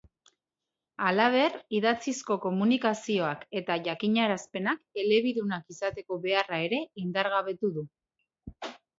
Halaber, idatzizko komunikazioak eta jakinarazpenak elebidunak izateko beharra ere indargabetu du.